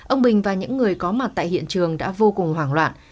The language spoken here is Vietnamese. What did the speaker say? ông bình và những người có mặt tại hiện trường đã vô cùng hoảng loạn